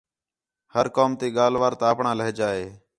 ہر قوم تی ڳالھ وار تا اَپݨاں لہجہ ہے